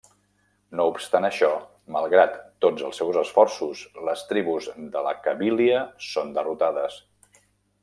No obstant això, malgrat tots els seus esforços, les tribus de la Cabília són derrotades.